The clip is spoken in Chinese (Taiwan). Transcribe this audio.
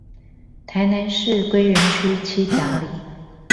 臺南市歸仁區七甲里